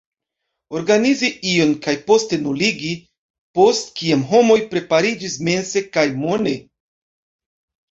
Organizi ion, kaj poste nuligi, post kiam homoj prepariĝis mense kaj mone?